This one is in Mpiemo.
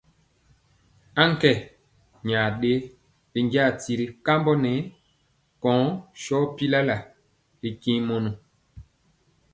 Aŋkɛ nyɛ ɗe binja tiri kambɔ nɛ kɔŋ sɔ pilalaa ri tiŋ mɔnɔ.